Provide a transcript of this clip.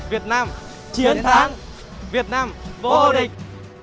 việt nam chiến thắng việt nam vô địch